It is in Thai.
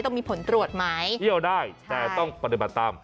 ต้องมีผลตรวจมั้ยยอดได้แต่ต้องปฏิบัติม